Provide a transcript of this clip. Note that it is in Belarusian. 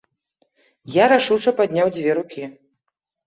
Я рашуча падняў дзве рукі.